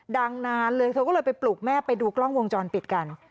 นานเลยเธอก็เลยไปปลุกแม่ไปดูกล้องวงจรปิดกัน